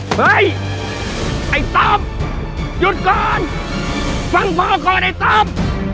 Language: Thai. เฮ้ยไอ้ตับหยุดก่อนฟังพ่อก่อนไอ้ตับ